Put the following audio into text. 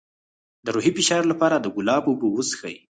د روحي فشار لپاره د ګلاب اوبه وڅښئ